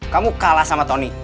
kamu kalah sama tony